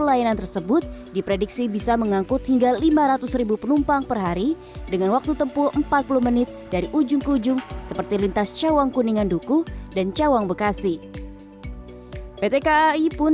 lrt tahap dua